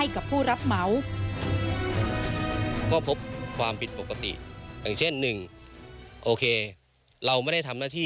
กับผู้รับเหมา